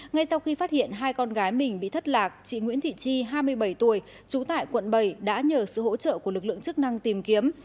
ngay sau khi phát hiện hai con gái mình bị thất lạc chị nguyễn thị chi hai mươi bảy tuổi trú tại quận bảy đã nhờ sự hỗ trợ của lực lượng chức năng tìm kiếm